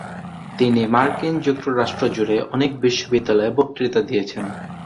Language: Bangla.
তিনি মার্কিন যুক্তরাষ্ট্র জুড়ে অনেক বিশ্ববিদ্যালয়ে বক্তৃতা দিয়েছেন।